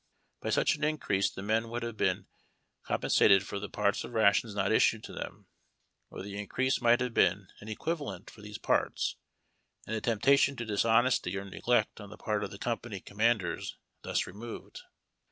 By such an increase the men would liave been compen sated for the parts of rations not issued to them, or the in crease might have been an equivalent for these parts, and the temptation to dishonesty or neglect on the part of company commanders thus removed.